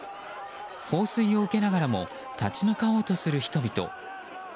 放水を受けながらも立ち向かおうとする人々。